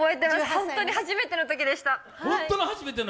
本当に初めての時でした。